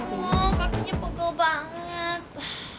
oh kakinya pegel banget